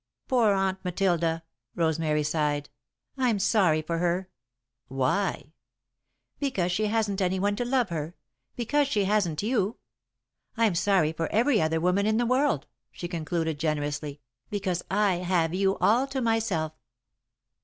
"Poor Aunt Matilda," Rosemary sighed; "I'm sorry for her." "Why?" [Sidenote: Alden's Mother] "Because she hasn't anyone to love her because she hasn't you. I'm sorry for every other woman in the world," she concluded, generously, "because I have you all to myself."